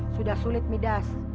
sudah sulit midas